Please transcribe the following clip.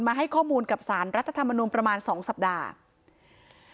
ให้ข้อมูลกับสารรัฐธรรมนุนประมาณ๒สัปดาห์